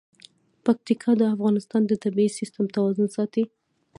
پکتیکا د افغانستان د طبعي سیسټم توازن ساتي.